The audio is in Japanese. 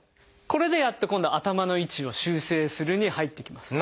これでやっと今度「頭の位置を修正する」に入っていきます。